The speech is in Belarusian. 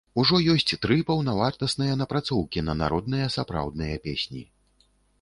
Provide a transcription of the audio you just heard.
Ужо ёсць тры паўнавартасныя напрацоўкі на народныя сапраўдныя песні.